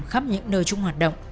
khắp những nơi chúng hoạt động